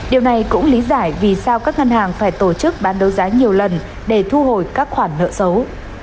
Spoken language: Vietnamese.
điều này cũng lý giải vì sao các ngân hàng phải tổ chức bán đấu giá nhiều lần để thu hồi các khoản nợ xấu